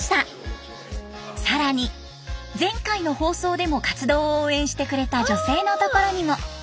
更に前回の放送でも活動を応援してくれた女性の所にも。